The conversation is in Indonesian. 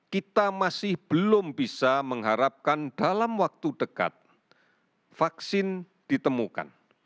kita masih belum bisa mengharapkan dalam waktu dekat vaksin ditemukan